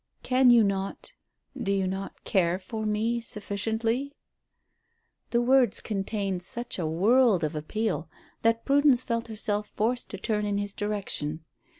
"Can you not do you not care for me sufficiently?" The words contained such a world of appeal that Prudence felt herself forced to turn in his direction.